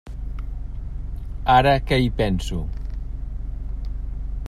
Ara que hi penso.